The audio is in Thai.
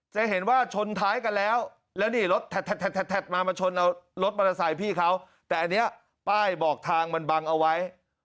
จะเห็นว่าชนท้ายกันแล้วแล้วนี่รถมามาชนเอารถมอเตอร์ไซค์พี่เขาแต่อันนี้ป้ายบอกทางมันบังเอาไว้